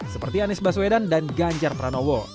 seperti anies baswedan dan ganjar pranowo